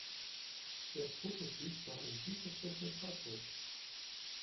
Der Prototyp war ein vielversprechendes Fahrzeug.